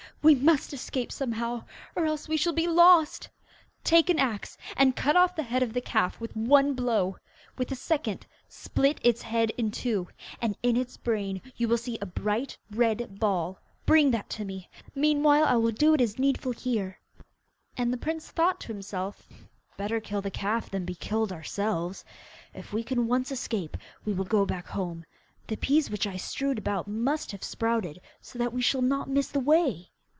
We must escape somehow, or else we shall be lost. Take an axe, and cut off the head of the calf with one blow. With a second, split its head in two, and in its brain you will see a bright red ball. Bring that to me. Meanwhile, I will do what is needful here. And the prince thought to himself, 'Better kill the calf than be killed ourselves. If we can once escape, we will go back home. The peas which I strewed about must have sprouted, so that we shall not miss the way.